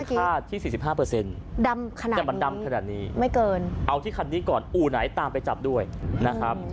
ค่าที่๔๕แต่มันดำขนาดนี้ไม่เกินเอาที่คันนี้ก่อนอู่ไหนตามไปจับด้วยนะครับ